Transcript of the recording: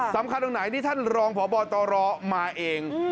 ตรงไหนที่ท่านรองพบตรมาเอง